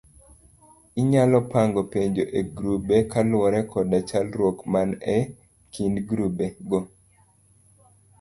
Inyalo pango penjo e grube kaluore koda chalruok man e kind grubego